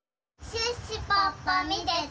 シュッシュポッポみてて！